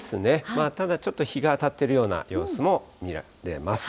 ただ、ちょっと日が当たっているような様子も見られます。